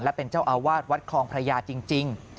และเป็นเจ้าอาวาสวัดคลองพระยาจริง